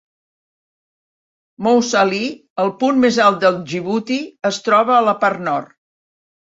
Mousa Ali, el punt més alt de Djibouti, es troba a la part nord.